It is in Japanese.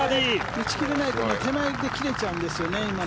打ち切れないと手前で切れちゃうんです今の。